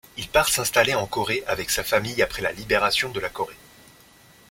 Il part s'installer en Corée avec sa famille après la libération de la Corée.